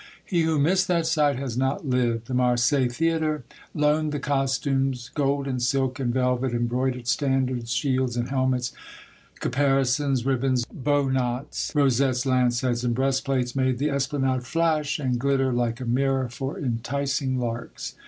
He who missed that sight has not lived ! The Marseilles Theatre loaned the costumes. Gold and silk and velvet, embroidered standards, shields and helmets, caparisons, ribbons, bow knots, rosettes, lance heads, and breastplates, made the Esplanade flash and glitter like a mirror for entic ing larks.